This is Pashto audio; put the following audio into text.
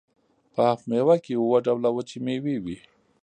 په هفت میوه کې اووه ډوله وچې میوې وي.